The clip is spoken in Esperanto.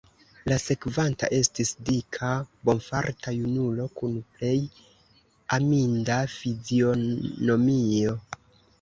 La sekvanta estis dika bonfarta junulo, kun plej aminda fizionomio.